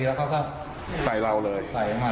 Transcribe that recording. แล้วก็ใส่เหมาเลย